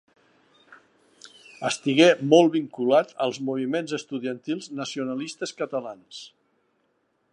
Estigué molt vinculat als moviments estudiantils nacionalistes catalans.